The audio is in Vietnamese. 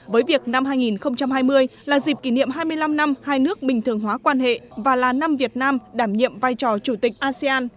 với việc năm hai nghìn hai mươi là dịp kỷ niệm hai mươi năm năm hai nước bình thường hóa quan hệ và là năm việt nam đảm nhiệm vai trò chủ tịch asean